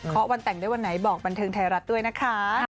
วันแต่งได้วันไหนบอกบันเทิงไทยรัฐด้วยนะคะ